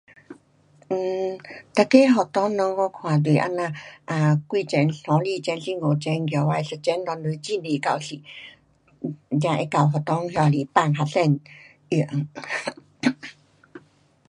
um 每个学堂内我看就是这样，um 几层三四层，四五层起来，一层内也是很多教室，才会够学堂那么多班学生用，